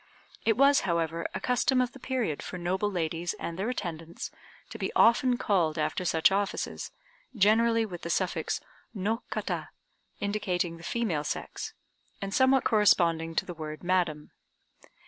It was, however, a custom of the period for noble ladies and their attendants to be often called after such offices, generally with the suffix "No Kata," indicating the female sex, and somewhat corresponding to the word "madam."